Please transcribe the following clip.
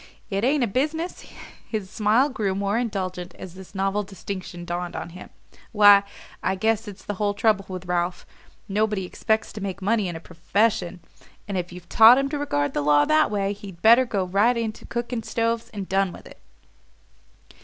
It ain't a business?" His smile grew more indulgent as this novel distinction dawned on him. "Why, I guess that's the whole trouble with Ralph. Nobody expects to make money in a PROFESSION; and if you've taught him to regard the law that way, he'd better go right into cooking stoves and done with it."